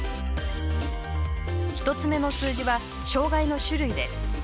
１つ目の数字は障がいの種類です。